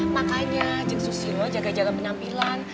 makanya jeng susilo jaga jaga penyampilan